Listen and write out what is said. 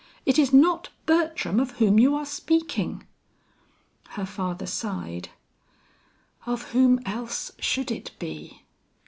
It is not Bertram of whom you are speaking!" Her father sighed. "Of whom else should it be?